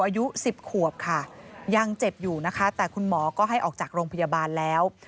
อายุ๑๐ขวบค่ะยังเจ็บอยู่นะคะแต่คุณหมอก็ให้ออกจากโรงพยาบาลแล้ว